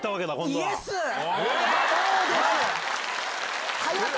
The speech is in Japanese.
そうです！